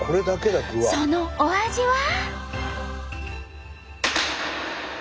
そのお味は？